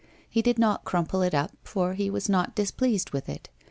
He did not crumple it up, for he was not displeased with it.